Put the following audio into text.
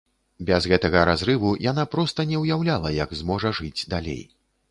Без гэтага разрыву яна проста не ўяўляла, як зможа жыць далей.